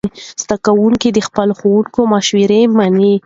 زده کوونکي د خپلو ښوونکو مشورې مني.